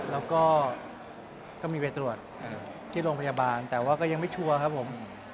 แล้วก็ก็มีไปตรวจที่โรงพยาบาลแต่ว่าก็ยังไม่ชัวร์ครับผม